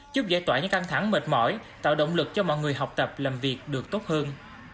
giúp giải tỏa những căng thẳng mệt mỏi tạo động lực cho mọi người học tập làm việc được tốt hơn